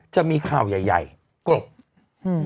จะมีข่าวใหญ่กลบ